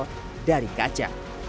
diperlukan dari kaca